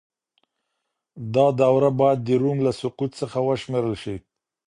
دا دوره بايد د روم له سقوط څخه وشمېرل سي.